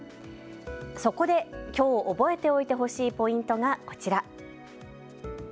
そこできょう覚えておいてほしいポイントがこちら。